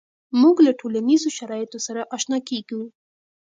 مونږ له ټولنیزو شرایطو سره آشنا کیږو.